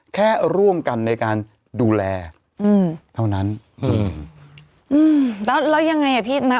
แค่ร่วมกันในการดูแลอืมเท่านั้นอืมอืมแล้วแล้วยังไงอ่ะพี่นะ